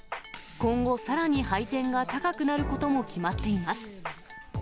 今後、さらに配点が高くなることも決まっています。